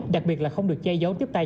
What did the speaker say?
đặc biệt là không được che giấu chấp tay